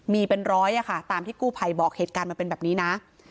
มีเป็นร้อยอะค่ะตามที่กู้ภัยบอกเหตุการณ์มันเป็นแบบนี้นะ